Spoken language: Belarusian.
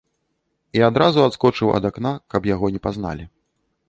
І адразу адскочыў ад акна, каб яго не пазналі.